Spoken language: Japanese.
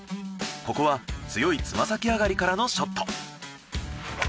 ここは強いつま先上がりからのショット。